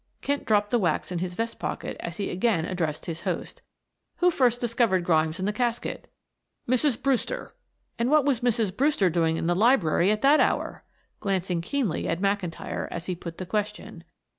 Kent dropped the wax in his vest pocket as he again addressed his host. "Who first discovered Grimes in the casket?" "Mrs. Brewster." "And what was Mrs. Brewster doing in the library at that hour?" glancing keenly at McIntyre as he put the question.